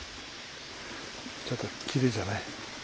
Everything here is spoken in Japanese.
ちょっときれいじゃない？